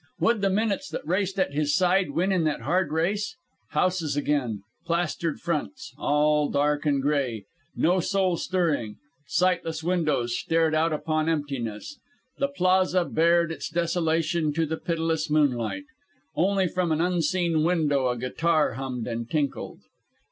Would the minutes that raced at his side win in that hard race? Houses again. Plastered fronts. All dark and gray. No soul stirring. Sightless windows stared out upon emptiness. The plaza bared its desolation to the pitiless moonlight. Only from an unseen window a guitar hummed and tinkled.